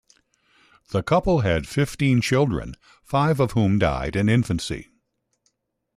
The couple had fifteen children, five of whom died in infancy.